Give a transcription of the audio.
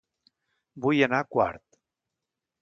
Vull anar a Quart